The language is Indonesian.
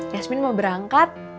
yasmin mau berangkat